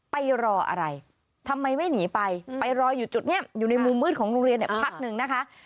ไปรออะไรทำไมไม่หนีไปไปรออยู่จุดนี้อยู่ในมุมมืดของโรงเรียนเนี่ยพักหนึ่งนะคะ